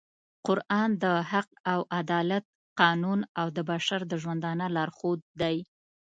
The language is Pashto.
قرآن د حق او عدالت قانون او د بشر د ژوندانه لارښود دی